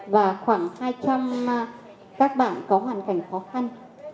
và khoảng hai trăm linh các bạn có hoàn cảnh khó khăn